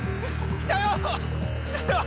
来たよ！